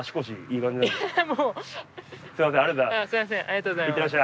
ありがとうございます。